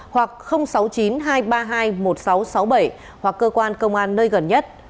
hoặc sáu mươi chín hai trăm ba mươi hai một nghìn sáu trăm sáu mươi bảy hoặc cơ quan công an nơi gần nhất